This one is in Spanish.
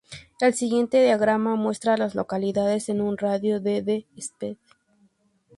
El siguiente diagrama muestra a las localidades en un radio de de Speed.